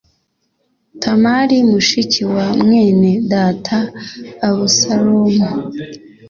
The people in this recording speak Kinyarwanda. Tamari mushiki wa mwene data abusalomu